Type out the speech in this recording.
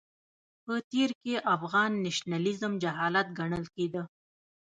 په تېر کې افغان نېشنلېزم جهالت ګڼل کېده.